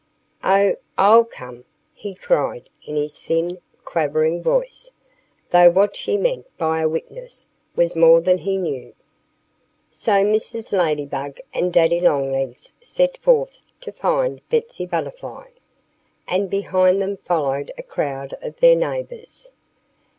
"Oh, I'll come!" he cried in his thin, quavering voice, though what she meant by a "witness" was more than he knew. So Mrs. Ladybug and Daddy Longlegs set forth to find Betsy Butterfly. And behind them followed a crowd of their neighbors.